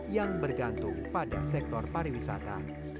yang bergantung pada sektor pariwisata